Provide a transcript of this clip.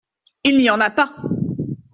Il n’y en a pas !…